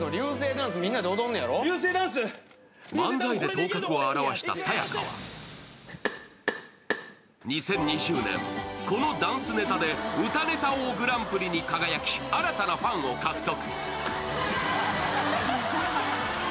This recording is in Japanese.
漫才で頭角を現したさや香は２０２０年、このダンスネタで歌ネタ王グランプリに輝き新たなファンを獲得。